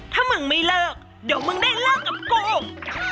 ถ้ามึงไม่เลิกเดี๋ยวมึงได้เลิกกับกู